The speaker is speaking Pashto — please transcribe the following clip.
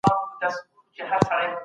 سوله د جنګ نه ښه ده.